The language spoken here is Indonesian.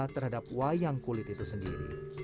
terhadap wayang kulit itu sendiri